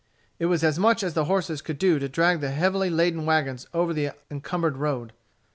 It was as much as the horses could do to drag the heavily laden wagons over the encumbered road.